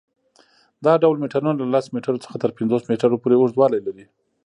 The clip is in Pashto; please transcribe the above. دا ډول میټرونه له لس میټرو څخه تر پنځوس میټرو پورې اوږدوالی لري.